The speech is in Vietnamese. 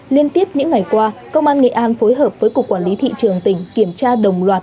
liên tiếp những ngày qua công an nghệ an phối hợp với cục quản lý thị trường tỉnh kiểm tra đồng loạt